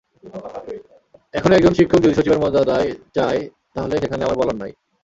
এখন একজন শিক্ষক যদি সচিবের মর্যাদায় চায়, তাহলে সেখানে আমার বলার নাই।